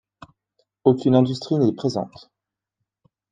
Aucune industrie n'est présente.